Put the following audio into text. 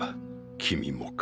君もか。